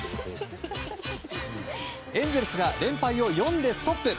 エンゼルスが連敗を４でストップ。